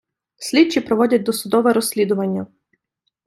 Слідчі проводять досудове розслідування.